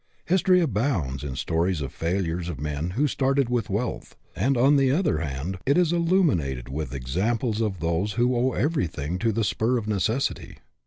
History abounds in stories of failures of men who started with wealth; and, on the other hand, it is illuminated with examples of those who owe everything to the spur of necessity.